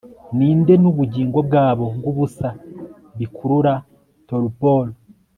ninde, nubugingo bwabo bwubusa bikurura torpor